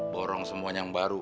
borong semuanya yang baru